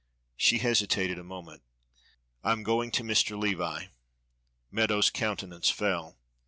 She hesitated a moment "I am going to Mr. Levi." Meadows' countenance fell.